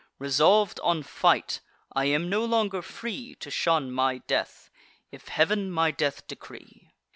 Resolv'd on fight, I am no longer free To shun my death, if Heav'n my death decree."